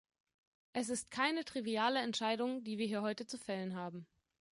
Es ist keine triviale Entscheidung, die wir hier heute zu fällen haben.